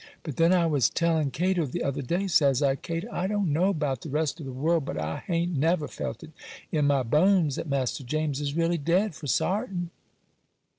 But then I was tellin' Cato the other day, says I, "Cato, I don't know about the rest of the world, but I ha'n't never felt it in my bones that Master James is really dead, for sartin.